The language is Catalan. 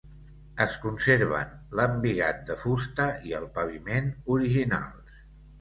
Es conserven l’embigat de fusta i el paviment originals.